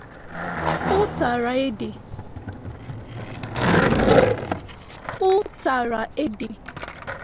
Ụtara ede